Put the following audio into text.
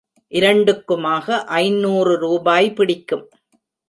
இரண்டுக்குமாக, ஐந்நூறு ரூபாய் பிடிக்கும்.